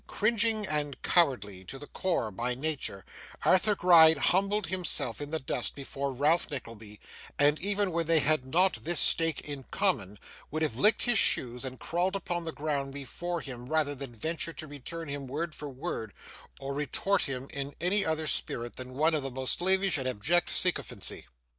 Cringing and cowardly to the core by nature, Arthur Gride humbled himself in the dust before Ralph Nickleby, and, even when they had not this stake in common, would have licked his shoes and crawled upon the ground before him rather than venture to return him word for word, or retort upon him in any other spirit than one of the most slavish and abject sycophancy.